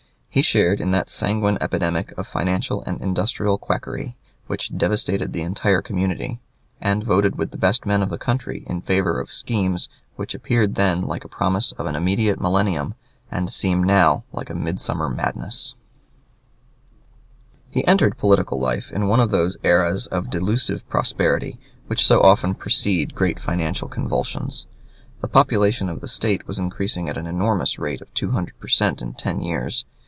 He shared in that sanguine epidemic of financial and industrial quackery which devastated the entire community, and voted with the best men of the country in favor of schemes which appeared then like a promise of an immediate millennium, and seem now like midsummer madness. [Sidenote: Ford, p. 102.] [Footnote: Reynolds, "Life and Times."] He entered political life in one of those eras of delusive prosperity which so often precede great financial convulsions. The population of the State was increasing at the enormous rate of two hundred percent in ten years.